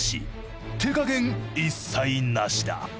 手加減一切なしだ。